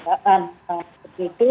nah seperti itu